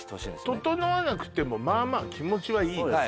ととのわなくてもまあまあ気持ちはいいの？